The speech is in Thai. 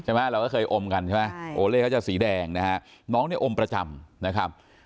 ใช่ไหมเราก็เคยอมกันใช่ไหมโอเล่เขาจะสีแดงนะครับ